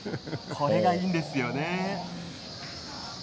これがいいんですよね。